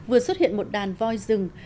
vừa xuất hiện một đàn voi rừng